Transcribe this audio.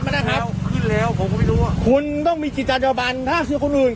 พี่มีจิตตามนึกคนเลยนะน่ะ